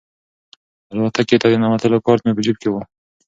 الوتکې ته د ننوتلو کارت مې په جیب کې و.